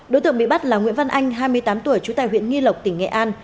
đối tượng bị bắt là nguyễn văn anh hai mươi tám tuổi trú tại huyện nghi lộc tỉnh nghệ an